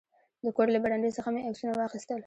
د کور له برنډې څخه مې عکسونه واخیستل.